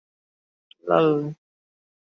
সিঁদুর আর ফুল!